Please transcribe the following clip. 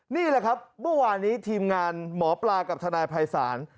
นี่แหละครับเมื่อวานนี้ทีมงานหมอปลากับทนายภัยศาล